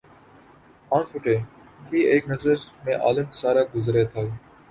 آنکھ اٹھتے ہی ایک نظر میں عالم سارا گزرے تھا